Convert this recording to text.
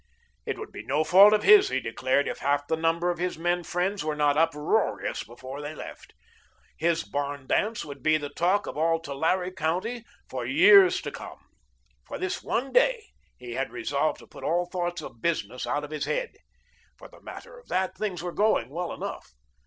It would be no fault of his, he declared, if half the number of his men friends were not uproarious before they left. His barn dance would be the talk of all Tulare County for years to come. For this one day he had resolved to put all thoughts of business out of his head. For the matter of that, things were going well enough.